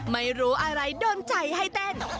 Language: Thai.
ไม่รู้อะไรโดนใจให้เต้น